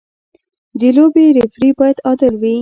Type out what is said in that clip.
د لوبې ریفري باید عادل وي.